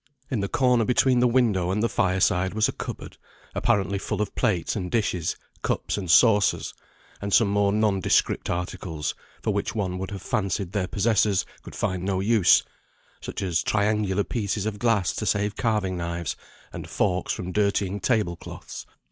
In the corner between the window and the fire side was a cupboard, apparently full of plates and dishes, cups and saucers, and some more nondescript articles, for which one would have fancied their possessors could find no use such as triangular pieces of glass to save carving knives and forks from dirtying table cloths.